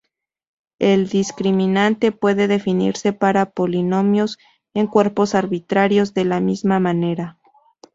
El discriminante puede definirse para polinomios en cuerpos arbitrarios de la misma manera.